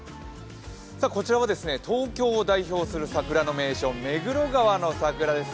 こちらは東京を代表する桜の名所、目黒川の桜です。